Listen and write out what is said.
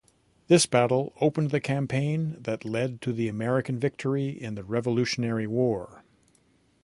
This battle opened the campaign that led to American victory in the Revolutionary War.